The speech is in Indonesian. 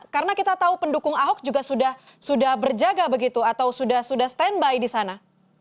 karena kita tahu pendukung ahok juga sudah berjaga begitu atau sudah stand by di sana